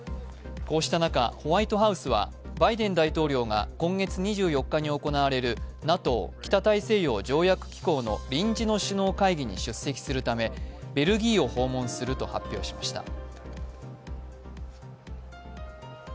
こうした中、ホワイトハウスはバイデン大統領が今月２４日に行われるＮＡＴＯ＝北大西洋条約機構の臨時の首脳会議に出席するためベルギーを訪問すると発表しました。